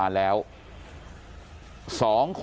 ศพที่สอง